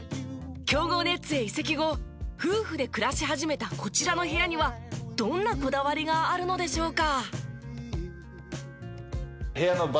強豪ネッツへ移籍後夫婦で暮らし始めたこちらの部屋にはどんなこだわりがあるのでしょうか？